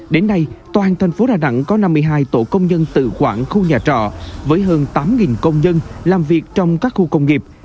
đến nay toàn thành phố đà nẵng có năm mươi hai tổ công nhân tự quản khu nhà trọ với hơn tám công nhân làm việc trong các khu công nghiệp